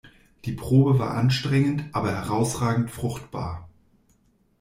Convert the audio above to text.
Die Probe war anstrengend, aber herausragend fruchtbar.